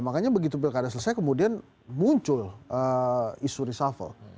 makanya begitu pilkada selesai kemudian muncul isu reshuffle